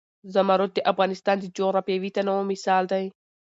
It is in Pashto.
زمرد د افغانستان د جغرافیوي تنوع مثال دی.